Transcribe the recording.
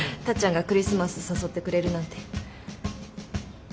タッちゃんがクリスマス誘ってくれるなんて。